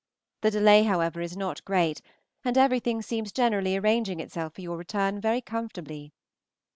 The delay, however, is not great, and everything seems generally arranging itself for your return very comfortably.